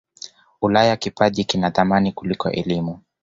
ulaya kipaji kina thamani kuliko elimu